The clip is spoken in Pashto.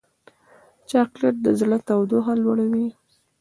چاکلېټ د زړه تودوخه لوړوي.